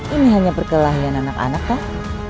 ini hanya perkelahian anak anak kah